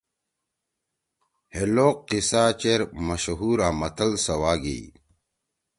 ہے لوک قصہ چیر مشہور آں متل سوا گیئی۔